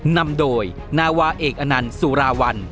นำโดยนาวาเอกอนันต์สุราวัล